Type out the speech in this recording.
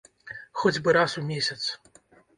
Хоць бы раз у месяц.